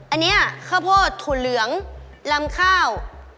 อันนี้ค่ะโพชถูกเหลืองลำข้าว